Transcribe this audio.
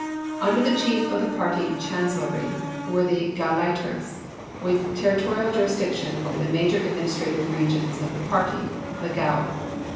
Under the Chief of the Party Chancellery were the Gauleiters, with territorial jurisdiction over the major administrative regions of the Party, the Gaue.